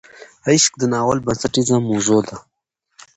عشق د ناول بنسټیزه موضوع ده.